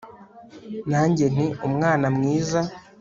Nanjye nti Umwana mwiza